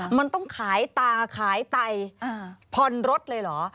มันต้องขายตาขายใจพลรถเลยเหรอ